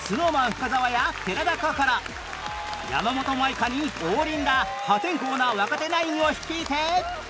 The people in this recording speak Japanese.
深澤や寺田心山本舞香に王林ら破天荒な若手ナインを率いて